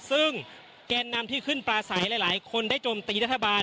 ซึ่งแกนนำที่ขึ้นปลาใสหลายคนได้โจมตีรัฐบาล